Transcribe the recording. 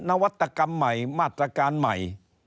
นวัตกรรมใหม่มาตรการใหม่